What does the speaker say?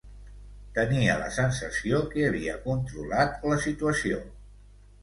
Tenia la sensació que havia controlat la situació.